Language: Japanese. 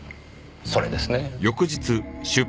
それですね。